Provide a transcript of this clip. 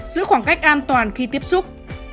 giữ khoảng cách an toàn khi tiếp xúc